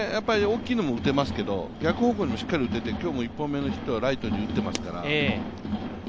大きいのも打てますけど逆方向にもしっかり打てて今日も１本目のヒットはライトに打ってますから。